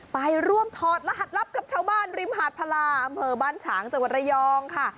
ไปร่วมถอดรหัสลับกับชาวบ้านริมหาดพลาอำเภอบ้านฉางจังหวัดระยองค่ะ